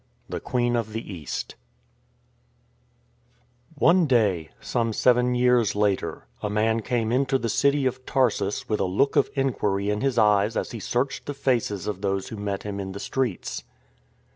THE QUEEN OF THE EAST ONE day, some seven years later, a man came into the city of Tarsus with a look of inquiry in his eyes as he searched the faces of those who met him in the streets.